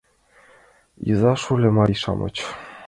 «Иза-шольо марий-шамыч!